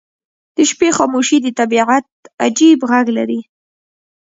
• د شپې خاموشي د طبیعت عجیب غږ لري.